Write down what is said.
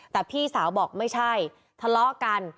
แต่พี่สาวบอกไม่ใช่ทะเลาะกัน